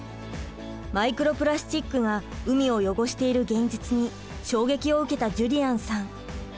マイクロプラスチックが海を汚している現実に衝撃を受けたジュリアンさん。